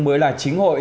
mới là chính hội